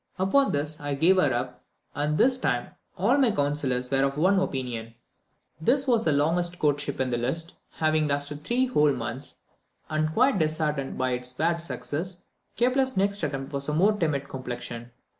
Upon this I gave her up, and this time all my counsellors were of one opinion." This was the longest courtship in the list, having lasted three whole months; and, quite disheartened by its bad success, Kepler's next attempt was of a more timid complexion.